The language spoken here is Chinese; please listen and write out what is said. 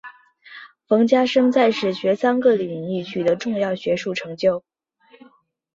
冯家升在史学三个领域取得重要学术成就。